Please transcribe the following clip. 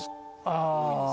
ああ。